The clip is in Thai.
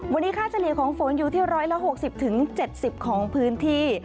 วันนี้ค่าเฉลี่ยของฝนอยู่ที่๑๖๐๗๐ของพื้นที่